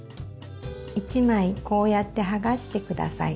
一枚こうやって剥がして下さい。